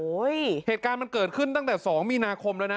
เหตุการณ์มันเกิดขึ้นตั้งแต่๒มีนาคมแล้วนะ